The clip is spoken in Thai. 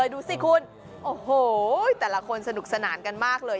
ดูสิคุณโอ้โหแต่ละคนสนุกสนานกันมากเลย